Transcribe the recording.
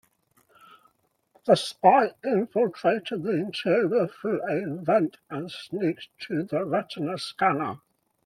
The spy infiltrated the interior through a vent and sneaked to the retina scanner.